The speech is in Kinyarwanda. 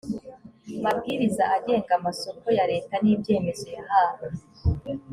mabwiriza agenga amasoko ya leta n’ibyemezo yahawe